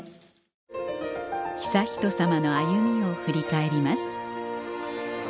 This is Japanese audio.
悠仁さまの歩みを振り返ります